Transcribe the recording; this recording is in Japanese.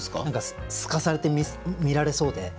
何かすかされて見られそうで。